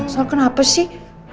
soal kenapa sih